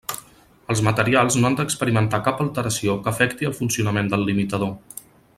Els materials no han d'experimentar cap alteració que afecti el funcionament del limitador.